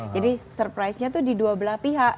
jadi surprise nya itu di dua belah pihak